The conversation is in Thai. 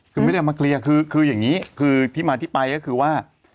คือไม่ได้เอามาเคลียร์คืออย่างนี้คือที่มาที่ไปก็คือว่า